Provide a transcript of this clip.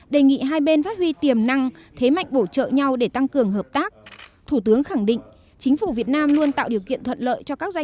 đề nghị hai bên phát huy tiềm năng thế mạnh bổ trợ nhau để tăng cường hợp tác